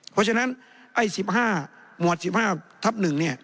เพราะฉะนั้นไอ้๑๕หมวด๑๕ทับ๑เนี่ย